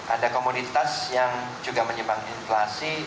ada komoditas yang juga menyumbang inflasi